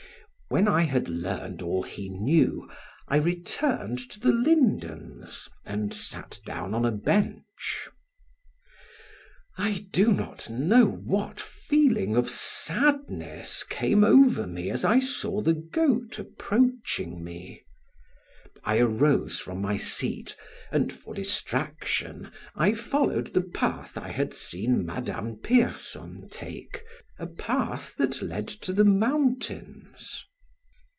When I had learned all he knew, I returned to the lindens and sat down on a bench. I do not know what feeling of sadness came over me as I saw the goat approaching me. I arose from my seat, and, for distraction, I followed the path I had seen Madame Pierson take, a path that led to the mountains.